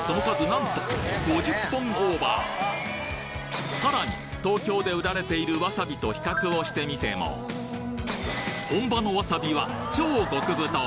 なんとさらに東京で売られているわさびと比較をしてみても本場のわさびは超極太！